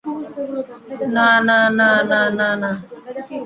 না, না, না, না, না, না।